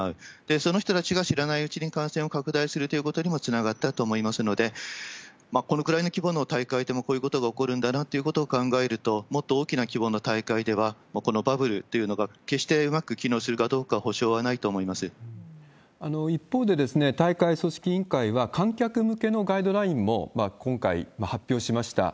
その人たちが知らないうちに感染を拡大するということにもつながったと思いますので、このくらいの規模の大会でもこういうことが起こるんだなということを考えると、もっと大きな規模の大会では、このバブルっていうのが決してうまく機能するかどうか、保証はな一方で、大会組織委員会は、観客向けのガイドラインも今回、発表しました。